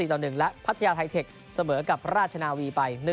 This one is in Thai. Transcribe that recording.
ต่อ๑และพัทยาไทเทคเสมอกับราชนาวีไป